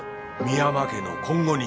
深山家の今後に。